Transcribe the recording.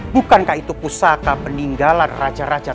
bukankah itu pusaka peninggalan raja raja